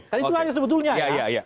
kan itu hanya sebetulnya ya